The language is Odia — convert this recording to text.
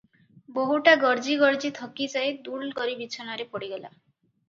ବୋହୂଟା ଗର୍ଜି ଗର୍ଜି ଥକି ଯାଇ ଦୁଲକରି ବିଛଣାରେ ପଡିଗଲା ।